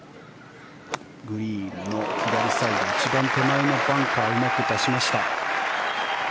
グリーンの左サイド一番手前のバンカーうまく出しました。